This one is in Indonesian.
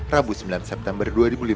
rabu sembilan september dua ribu lima belas